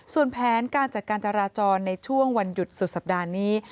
ส่วนแผนการจัดการจราจรในช่วงวันหยุดสุดสัปดาห์นี้